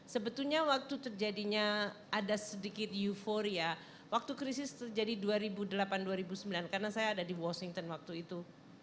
sebetulnya waktu terjadinya ada sedikit euforia waktu krisis terjadi dua ribu delapan dua ribu sembilan karena saya ada di washington waktu itu